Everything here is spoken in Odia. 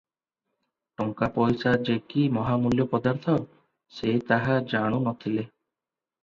ଟଙ୍କା ପଇସା ଯେ କି ମହାମୂଲ୍ୟ ପଦାର୍ଥ, ସେ ତାହା ଜାଣୁ ନ ଥିଲେ ।